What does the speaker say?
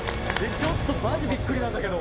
ちょっとマジ、ビックリなんだけど。